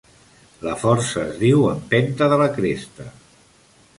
La força es diu empenta de la cresta.